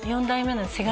４代目